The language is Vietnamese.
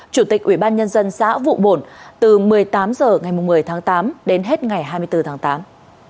chủ tịch ủy ban nhân dân xã vụ bổn từ một mươi tám h ngày một mươi tháng tám đến hết ngày hai mươi bốn tháng tám